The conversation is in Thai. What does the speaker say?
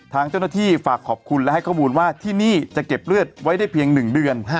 ทางเจ้าหน้าที่ฝากขอบคุณและให้ข้อมูลว่าที่นี่จะเก็บเลือดไว้ได้เพียง๑เดือน